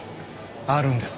あるんです。